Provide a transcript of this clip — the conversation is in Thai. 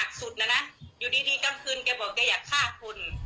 เก๊ก็ลุกทุบหมอนทุบกำแพงนะนะ